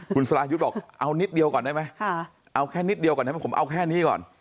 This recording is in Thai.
คุณสรายุทธ์บอกเอานิดเดียวก่อนได้ไหมเอาแค่นิดเดียวก่อนได้ไหมผมเอาแค่นี้ก่อน